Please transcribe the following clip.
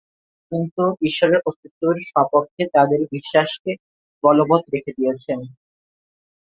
কিন্তু ঈশ্বরের অস্তিত্বের স্বপক্ষে তাদের বিশ্বাসকে বলবৎ রেখে দিয়েছেন।